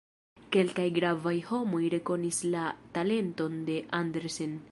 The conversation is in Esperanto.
Kelkaj gravaj homoj rekonis la talenton de Andersen.